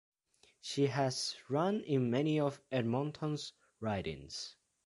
She has run in many of Edmonton's ridings.